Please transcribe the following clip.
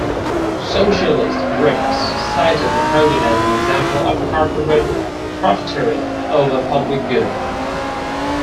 Socialist groups cited the project as an example of corporate profiteering over public good.